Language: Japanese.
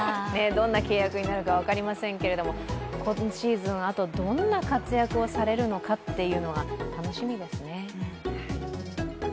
どんな契約になるか分かりませんけど、今シーズンあとどんな活躍をされるのか楽しみですね。